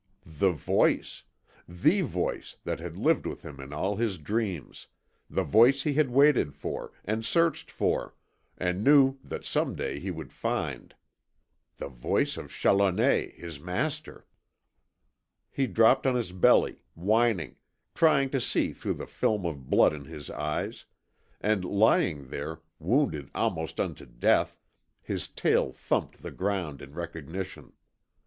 The VOICE! THE voice that had lived with him in all his dreams, the voice he had waited for, and searched for, and knew that some day he would find. The voice of Challoner, his master! He dropped on his belly, whining, trying to see through the film of blood in his eyes; and lying there, wounded almost unto death, his tail thumped the ground in recognition.